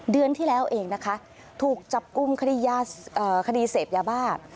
เดือนที่แล้วเองนะคะถูกจับกลุ่มคดีเสพยาบ้า